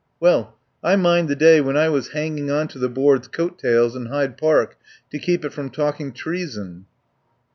Well I mind the day when I was hanging on to the Board's coat tails in Hyde Park to keep it from talking treason."